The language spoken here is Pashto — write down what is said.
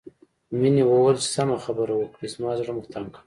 مينې وويل چې سمه خبره وکړئ زما زړه مو تنګ کړ